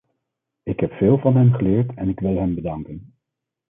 Ik heb veel van hem geleerd en ik wil hem bedanken.